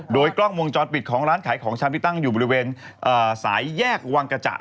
โดยกล้องวงจรปิดของร้านขายของชำที่ตั้งอยู่บริเวณสายแยกวังกระจ่า